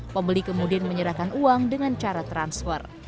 pembeli kemudian menyerahkan uang dengan cara transfer